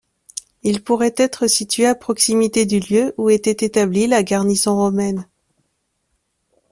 Il pourrait être situé à proximité du lieu où était établie la garnison romaine.